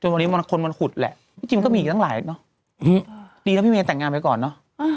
วันนี้คนมันขุดแหละที่จริงก็มีอีกตั้งหลายเนอะดีนะพี่เมย์แต่งงานไปก่อนเนอะ